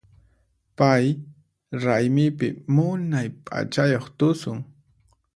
Pay raymipi munay p'achayuq tusun.